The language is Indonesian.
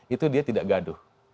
itu dia tidak gaduh